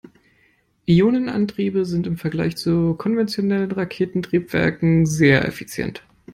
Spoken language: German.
Ionenantriebe sind im Vergleich zu konventionellen Raketentriebwerken sehr effizient.